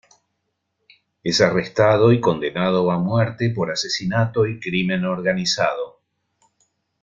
Es arrestado y condenado a muerte por asesinato y crimen organizado.